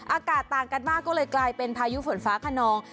อากาศต่างกันมากก็เลยกลายเป็นพายุฝนฟ้าขนอง